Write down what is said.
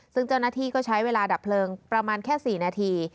ซึ่งเจ้าหน้าที่ก็ใช้เวลาดับเพลิงประมาณแค่๔นาที